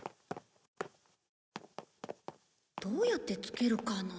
どうやってつけるかな？